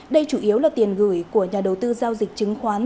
đây chủ yếu là tiền gửi của nhà đầu tư giao dịch chứng khoán